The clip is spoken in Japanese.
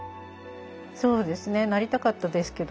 そうですねなりたかったですけど。